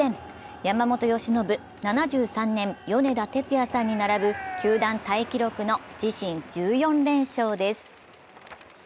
山本由伸、７３年、米田哲也さんに並ぶ球団タイ記録の自身１４連勝です。